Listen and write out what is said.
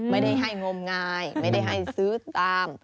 ไม่ได้ให้งมงายไม่ได้ให้ซื้อตาม